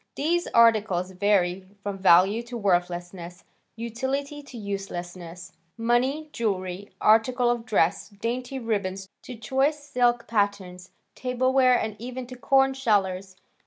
These articles vary from value to worthlessness, utility to uselessness. Money, jewelry, articles of dress, dainty ribbons to choice silk patters, tableware, and even to "corn shellers."